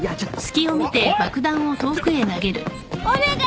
お願い